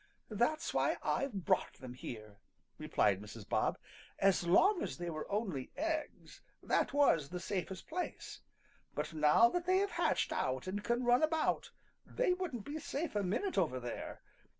"That's why I've brought them here," replied Mrs. Bob. "As long as they were only eggs that was the safest place, but now that they have hatched out and can run about, they wouldn't be safe a minute over there.